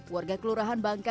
warga kelurahan bangka kecil